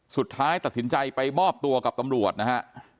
สุดท้ายตัดสินใจไปมอบตัวกับตำรวจนะฮะ